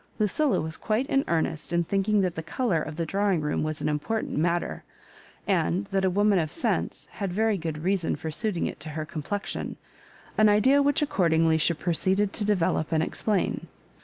Lucilla was quite in earnest in thinking that the colour of the drawing room was an important matter, and that a woman of sense had very good reason for suiting it to her complexion — an idea which ac cordingly she proceeded to develop and explain.